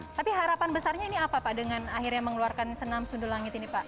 tapi harapan besarnya ini apa pak dengan akhirnya mengeluarkan senam sundu langit ini pak